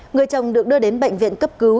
người chồng được đưa đến bệnh viện cấp cứu